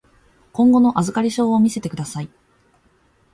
今後の預かり証を見せてください。